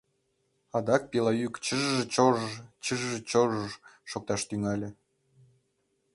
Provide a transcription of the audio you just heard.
Адак пила йӱк чыж-ж-чож-ж, чыж-ж-чож-ж шокташ тӱҥале...